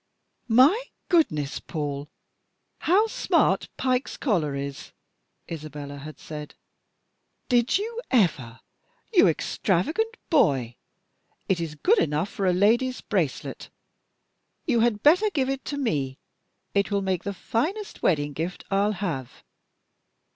"My goodness, Paul, how smart Pike's collar is!" Isabella had said. "Did you ever! You extravagant boy! It is good enough for a lady's bracelet. You had better give it to me! It will make the finest wedding gift I'll have!"